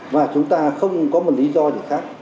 và chúng ta không có một lý do gì khác